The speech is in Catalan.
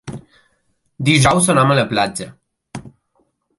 Dijous anam a la platja.